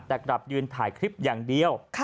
แต่กลับยืนถ่ายคลิปอย่างเดียว